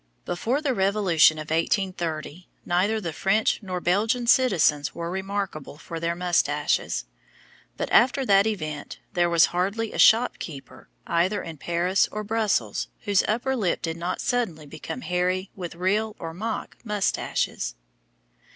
Before the revolution of 1830, neither the French nor Belgian citizens were remarkable for their moustaches; but, after that event, there was hardly a shopkeeper either in Paris or Brussels whose upper lip did not suddenly become hairy with real or mock moustaches.